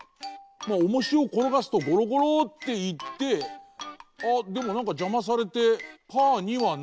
まあおもしをころがすとゴロゴロっていってあっでもなんかじゃまされてパーにはならない。